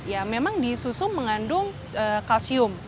ya memang di susu mengandung kalsium